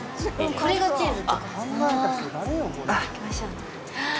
これがチーズ？